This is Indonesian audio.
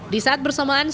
di saat bersamaan